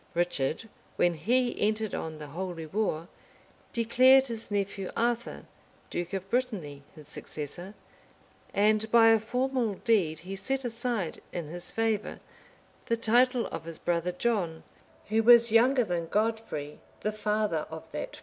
Richard, when he entered on the holy war, declared his nephew Arthur, duke of Brittany, his successor; and by a formal deed he set aside, in his favor, the title of his brother John, who was younger than Godfrey, the father of that prince.